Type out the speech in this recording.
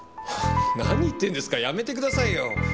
ハハ何言ってるんですかやめてくださいよ。